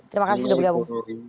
terima kasih sudah bergabung